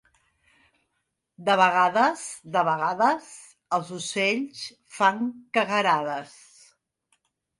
De vegades, de vegades, els ocells fan cagarades.